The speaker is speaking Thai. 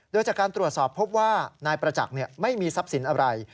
โดยจากการตรวจสอบพบว่านายประจักษ์ไม่มีทรัพย์สินอะไร